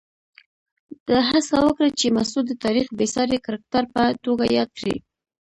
ده هڅه وکړه چې مسعود د تاریخ بېساري کرکټر په توګه یاد کړي.